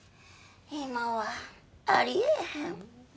今はありえへん